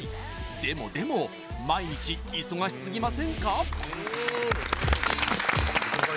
でもでも毎日忙しすぎませんか？